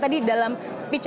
tadi dalam speech